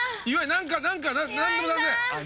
何か何でも出せ。